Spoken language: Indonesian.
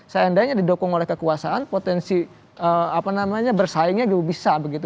seandainya didukung oleh kekuasaan potensi apa namanya bersaingnya juga bisa begitu